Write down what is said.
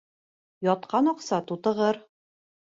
Ятҡан аҡса тутығыр.